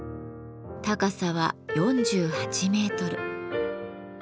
高さは４８メートル。